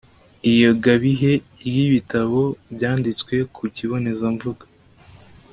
iyogabihe ry'ibitabo byanditswe ku kibonezamvugo